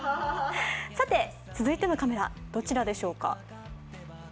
さて、続いてのカメラ、どちらでしょうか。